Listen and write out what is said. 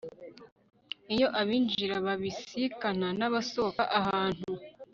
iyo abinjira babisikana n'abasohoka ahantu